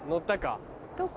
どこ？